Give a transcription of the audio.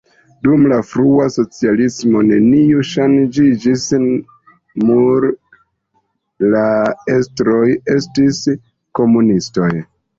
Dum la frua socialismo neniu ŝanĝiĝis, mur la estroj estis komunistoj.